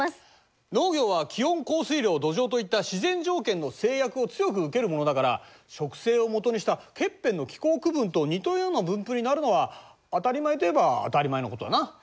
農業は気温降水量土壌といった自然条件の制約を強く受けるものだから植生を基にしたケッペンの気候区分と似たような分布になるのは当たり前といえば当たり前のことだな。